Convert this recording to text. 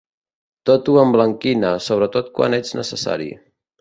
Tot ho emblanquina, sobretot quan ets necessari.